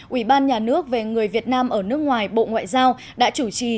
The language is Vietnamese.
ủy ban nhà nước về người việt nam ở nước ngoài bộ ngoại giao đã chủ trì